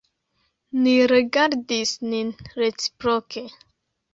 Ni rigardis nin reciproke.